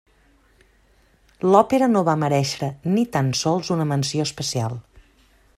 L'òpera no va merèixer ni tan sols una menció especial.